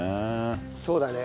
そうだね。